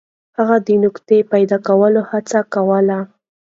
هغه د نفقې پیدا کولو هڅه کوله.